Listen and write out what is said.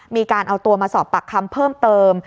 มีการเอาตัวมาสอบปากคำเพิ่มเติม